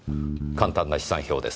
簡単な試算表です。